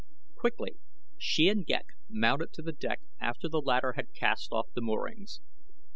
Quickly she and Ghek mounted to the deck after the latter had cast off the moorings.